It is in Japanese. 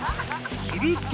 すると